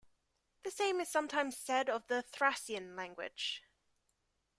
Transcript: The same is sometimes said of the Thracian language.